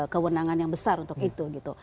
kewenangan yang besar untuk itu gitu